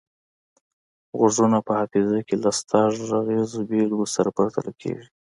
غږونه په حافظه کې له شته غږیزو بیلګو سره پرتله کیږي